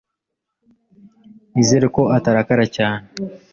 Nizere ko atarakara cyane.